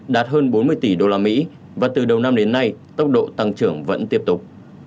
đạt hơn bốn mươi tỷ usd và từ đầu năm đến nay tốc độ tăng trưởng vẫn tiếp tục